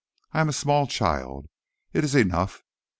"I am a small child. It is enough."